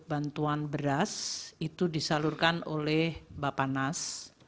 bantuan beras itu disalurkan oleh bapak nas